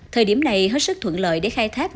thời điểm này hết sức thuận lợi để khai thác mọi thứ